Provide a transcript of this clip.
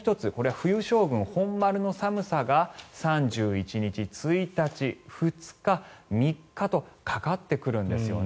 冬将軍本丸の寒さが３１日、１日、２日、３日とかかってくるんですよね。